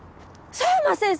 佐山先生！